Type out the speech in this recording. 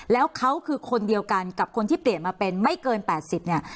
แล้วเขาคือคนเดียวกันกับคนที่เปลี่ยนมาเป็นไม่เกิน๘๐เนี่ย